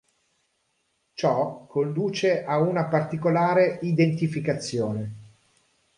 Ciò conduce a una “particolare identificazione”.